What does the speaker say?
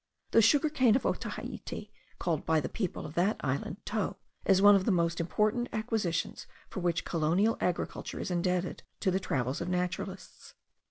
The sugar cane of Otaheite, called by the people of that island To, is one of the most important acquisitions for which colonial agriculture is indebted to the travels of naturalists.